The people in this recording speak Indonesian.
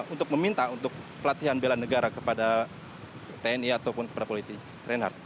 untuk meminta untuk pelatihan bela negara kepada tni ataupun kepada polisi reinhardt